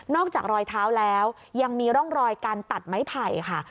อกจากรอยเท้าแล้วยังมีร่องรอยการตัดไม้ไผ่ค่ะ